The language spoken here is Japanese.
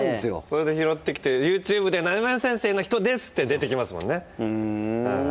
それで拾ってきて「ＹｏｕＴｕｂｅでナニナニ再生の人です！」って出てきますもんね。